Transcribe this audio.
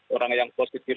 orang yang positif